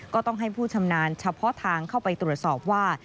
ก็ต้องให้ผู้ชำนาญเฉพาะทางเข้าไปตรวจสอบว่า